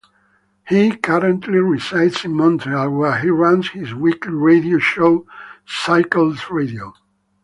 He currently resides in Montreal where he runs his weekly radio show Cycles Radio.